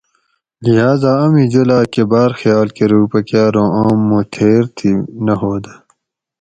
لہذا امی جولاگ کہ باۤر خیال کۤروگ پکار اوں آم موں تھیر تھی نہ ہودہ